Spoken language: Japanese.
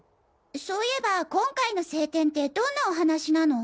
そういえば今回の正典ってどんなお話なの？